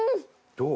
どう？